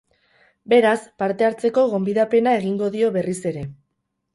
Beraz, parte hartzeko gonbidapena egingo dio berriz ere.